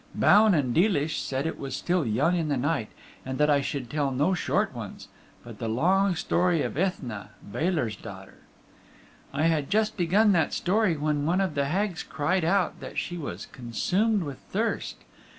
Baun and Deelish said it was still young in the night, and that I should tell no short ones, but the long story of Eithne, Balor's daughter. I had just begun that story, when one of the Hags cried out that she was consumed with thirst.